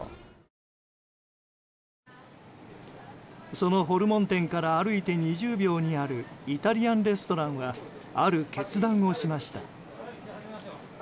そのホルモン店から歩いて２０秒にあるイタリアンレストランはある決断をしました。